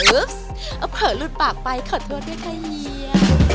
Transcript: อุ๊ปอ้าวเผลอลูดปากไปขอโทษนะค่ะเฮีย